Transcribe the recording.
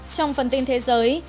trong phần tin thế giới